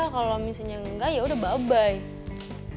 kalo misalnya enggak yaudah bye bye